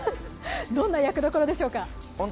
どんな役どころでしょうか？